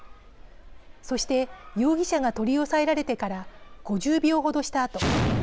そして容疑者が取り押さえられてから５０秒ほどしたあと。